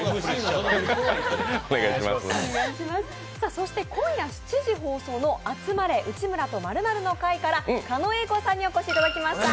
そして今夜７時放送の「集まれ！内村と○○の会」から狩野英孝さんにお越しいただきました。